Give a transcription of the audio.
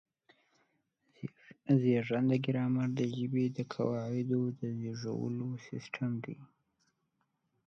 زېږنده ګرامر د ژبې د قواعدو د زېږولو سیستم دی.